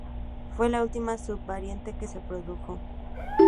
Fue la última sub-variante que se produjo.